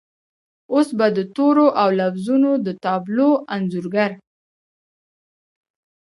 اوس به د تورو او لفظونو د تابلو انځورګر